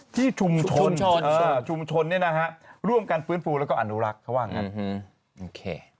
ที่ชุมชนชุมชนร่วมกันฟื้นฟูแล้วก็อนุรักษ์เขาว่างั้น